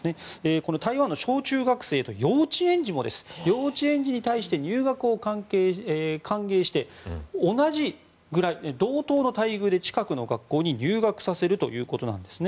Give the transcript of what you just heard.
この台湾の小中学生と幼稚園児に対して入学を歓迎して同じぐらい、同等の待遇で近くの学校に入学させるということなんですね。